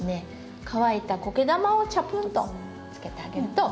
乾いたコケ玉をちゃぷんと浸けてあげると。